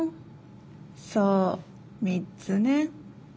そう３つね。